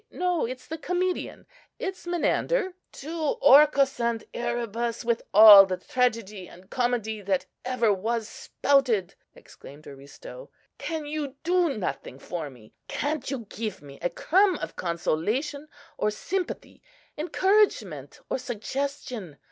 no!—it's the comedian,—it's Menander"—— "To Orcus and Erebus with all the tragedy and comedy that ever was spouted!" exclaimed Aristo. "Can you do nothing for me? Can't you give me a crumb of consolation or sympathy, encouragement or suggestion?